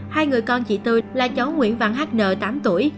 hai người con chị tươi là cháu nguyễn văn h n tám tuổi